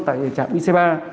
tại trạm ic ba